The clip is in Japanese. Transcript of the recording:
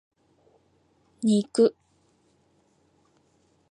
肉